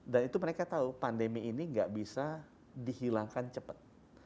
dan itu mereka tahu pandemi ini tidak bisa dihilangkan cepat